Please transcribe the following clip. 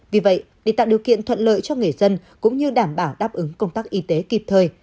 vì vậy để tạo điều kiện thuận lợi cho người dân cũng như đảm bảo đáp ứng công tác y tế kịp thời